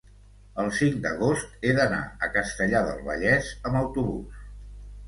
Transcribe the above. el cinc d'agost he d'anar a Castellar del Vallès amb autobús.